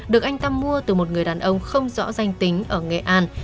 được anh tâm mua từ một người đàn ông không rõ danh tính ở nghệ an